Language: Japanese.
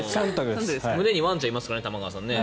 胸にワンちゃんいますからね玉川さんね。